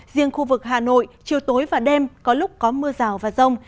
riêng khu vực hà nội chiều tối và đêm có lúc có mưa rào và rông